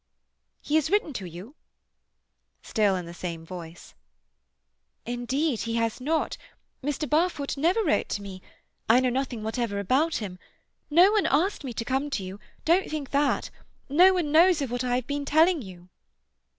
"He has written to you?"—still in the same voice. "Indeed he has not. Mr. Barfoot never wrote to me. I know nothing whatever about him. No one asked me to come to you—don't think that. No one knows of what I have been telling you."